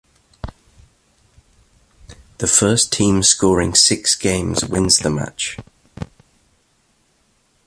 The first team scoring six games wins the match.